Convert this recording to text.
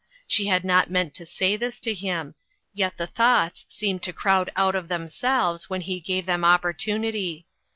She had not meant to say this to him. Yet the thoughts seemed to crowd out of themselves, when he gave them opportunity.